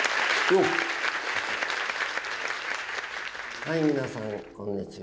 はい皆さんこんにちは。